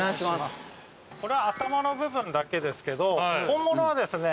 これは頭の部分だけですけど本物はですね